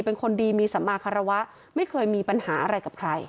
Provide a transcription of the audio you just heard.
เป็นคนดีมีสัมมาคารวะไม่เคยมีปัญหาอะไรกับใคร